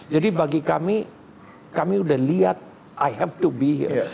jadi bagi kami kami udah lihat i have to be here